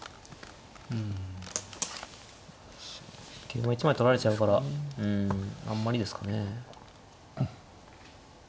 桂馬１枚取られちゃうからあんまりですかね。